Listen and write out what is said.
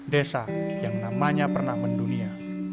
desa yang namanya pernah mendunia